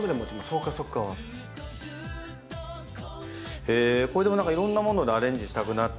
これでも何かいろんなものでアレンジしたくなってきたよね。